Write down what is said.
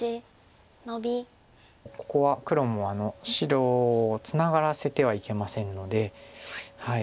ここは黒も白をツナがらせてはいけませんので。